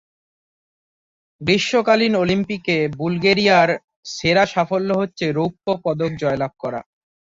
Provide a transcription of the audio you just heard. গ্রীষ্মকালীন অলিম্পিকে বুলগেরিয়ার সেরা সাফল্য হচ্ছে রৌপ্য পদক জয়লাভ করা।